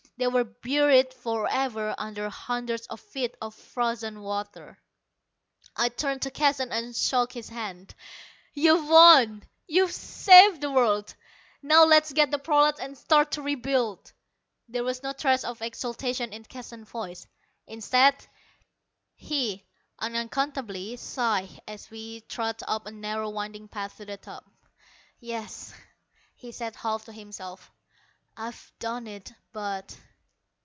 They were buried forever under hundreds of feet of frozen water. I turned to Keston and shook his hand. "You've won; you've saved the world. Now let's get the prolats and start to rebuild." There was no trace of exultation in Keston's voice. Instead, he unaccountably sighed as we trudged up a narrow winding path to the top. "Yes," he said half to himself, "I've done it. But...."